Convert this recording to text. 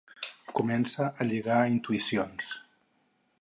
Comença a lligar intuïcions.